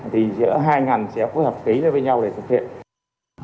thì giữa hai ngành sẽ phối hợp ký với nhau để thực hiện